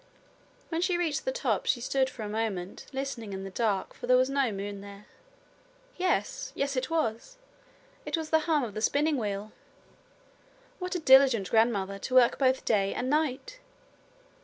When she reached the top she stood a moment listening in the dark, for there was no moon there. Yes! it was! it was the hum of the spinning wheel! What a diligent grandmother to work both day and night!